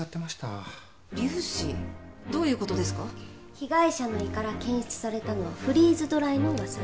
被害者の胃から検出されたのはフリーズドライのわさび。